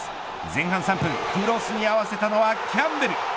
前半３分、クロスに合わせたのはキャンベル。